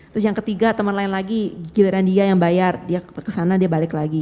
terus yang ketiga teman lain lagi giliran dia yang bayar dia kesana dia balik lagi